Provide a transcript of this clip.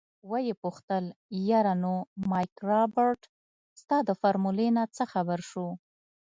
ويې پوښتل يره نو مايک رابرټ ستا د فارمولې نه څه خبر شو.